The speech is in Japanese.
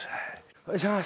お願いします。